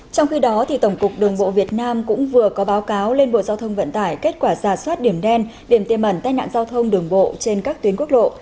trong khi đó tổng cục đường bộ việt nam cũng vừa có báo cáo lên bộ giao thông vận tải kết quả giả soát điểm đen điểm tiềm ẩn tai nạn giao thông đường bộ trên các tuyến quốc lộ